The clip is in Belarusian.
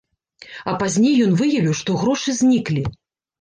А пазней ён выявіў, што грошы зніклі.